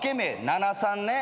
７・３ね。